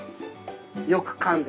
よくかんで。